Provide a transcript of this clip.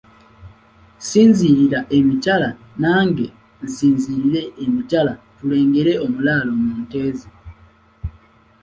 Sinziirira emitala nange nsinziirire emitala tulengere omulaalo mu nte ze.